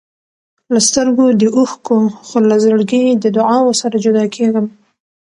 له سترګو د اوښکو، خو له زړګي د دعاوو سره جدا کېږم.